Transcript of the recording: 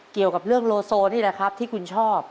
เกี่ยวกับเรื่องโลโซนี่แหละครับที่คุณชอบ